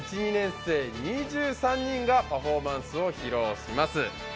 １、２年生２３人がパフォーマンスを披露します。